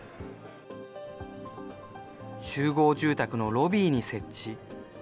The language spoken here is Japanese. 集合住宅のロビーに設置。